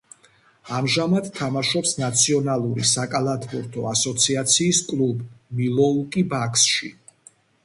ამჟამად თამაშობს ნაციონალური საკალათბურთო ასოციაციის კლუბ მილოუკი ბაქსში.